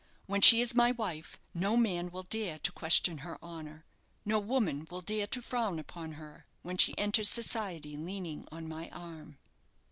"When she is my wife, no man will dare to question her honour no woman will dare to frown upon her when she enters society leaning on my arm."